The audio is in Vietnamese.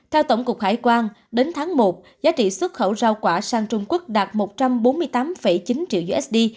theo tổng cục hải quan đến tháng một giá trị xuất khẩu rau quả sang trung quốc đạt một trăm bốn mươi tám chín triệu usd